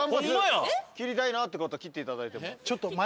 切りたいなって方切っていただいても。